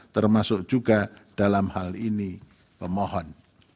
termasuk juga dalam hal ini pemohon